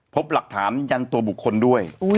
พบหลักฐานยันตัวบุคคลด้วย